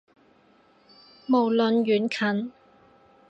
無論遠近